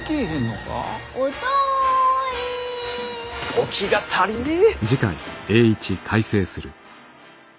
時が足りねぇ！